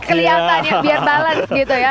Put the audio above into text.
kelihatan ya biar balance gitu ya